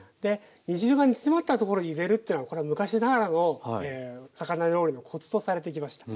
煮汁が煮詰まったところに入れるというのはこれは昔ながらの魚料理のコツとされてきました。